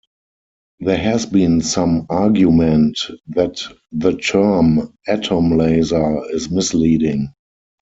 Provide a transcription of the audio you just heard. There has been some argument that the term "atom laser" is misleading.